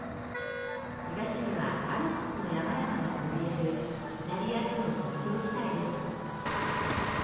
東にはアルプスの山々がそびえるイタリアとの国境地帯です。